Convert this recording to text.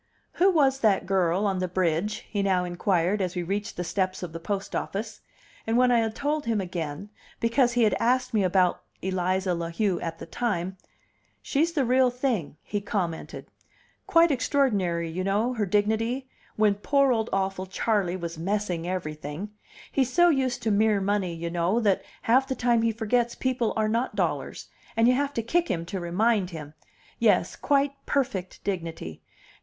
"Who was that girl on the bridge?" he now inquired as we reached the steps of the post office; and when I had told him again, because he had asked me about Eliza La Heu at the time, "She's the real thing," he commented. "Quite extraordinary, you know, her dignity, when poor old awful Charley was messing everything he's so used to mere money, you know, that half the time he forgets people are not dollars, and you have to kick him to remind him yes, quite perfect dignity.